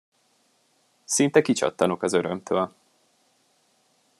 Szinte kicsattanok az örömtől.